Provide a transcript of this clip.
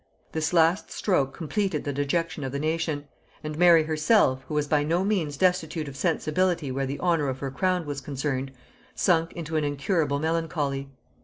This last stroke completed the dejection of the nation; and Mary herself, who was by no means destitute of sensibility where the honor of her crown was concerned, sunk into an incurable melancholy.